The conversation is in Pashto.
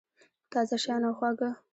تازه شیان او خواږه